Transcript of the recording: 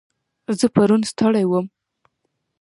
زه پرون ستړی وم.